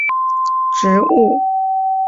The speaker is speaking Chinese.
皱波球根鸦葱为菊科鸦葱属的植物。